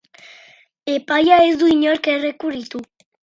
Epaia ez du inork errekurritu.